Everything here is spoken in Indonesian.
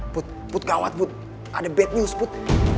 put put kawat put ada bad news put